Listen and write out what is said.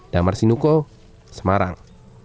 damar sinuko semarang